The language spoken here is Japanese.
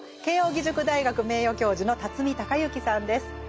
慶應義塾大学名誉教授の孝之さんです。